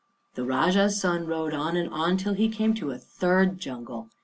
The Rajah's son rode on and on till he came to a third jungle.